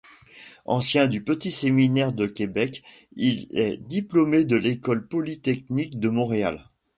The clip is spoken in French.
Ancien du petit Séminaire de Québec, il est diplômé de l'École polytechnique de Montréal.